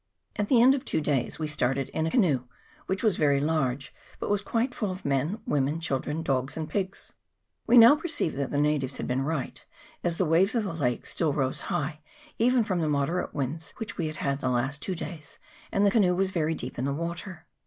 At the end of two days we started in a canoe, which was very large, but was quite full of men, women, children, dogs, and pigs. We now perceived that the natives had been right, as the waves of the Take still rose high even from the moderate winds which we had had the last two days, and the canoe was very deep in the water.